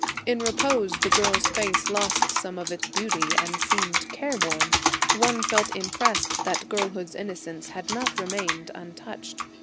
In repose the girl's face lost some of its beauty and seemed care worn; one felt impressed that girlhood's innocence had not remained untouched.